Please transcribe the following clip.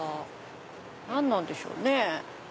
何なんでしょうね？